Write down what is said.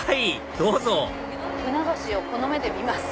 どうぞ船橋をこの目で見ます。